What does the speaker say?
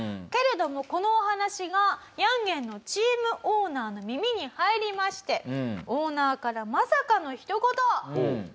けれどもこのお話がヤンゲンのチームオーナーの耳に入りましてオーナーからまさかの一言！